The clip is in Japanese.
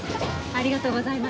ありがとうございます。